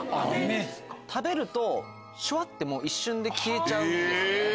食べるとシュワって一瞬で消えちゃうんですね。